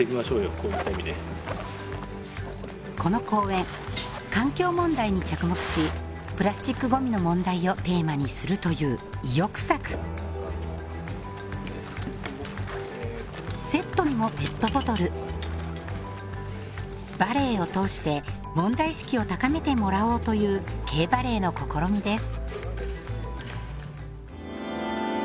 こういった意味でこの公演環境問題に着目しプラスチックゴミの問題をテーマにするという意欲作セットにもペットボトルバレエを通して問題意識を高めてもらおうというＫバレエの試みです